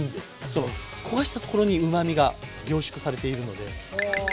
焦がしたところにうまみが凝縮されているので。